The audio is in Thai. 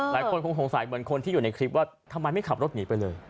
หลายคนคงสงสัยเหมือนคนที่อยู่ในคลิปว่าทำไมไม่ขับรถหนีไปเลย